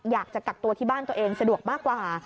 อยากจะกักตัวที่บ้านตัวเองสะดวกมากกว่า